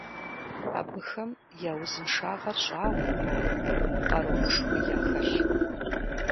Абыхэм я узыншагъэр щӀагъуэкъым, къаруушхуи яхэлъкъым.